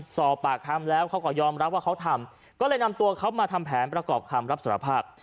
สอบปากคำแล้วเขาก็ยอมรับว่าเขาทำก็เลยนำตัวเขามาทำแผนประกอบคำรับสารภาพ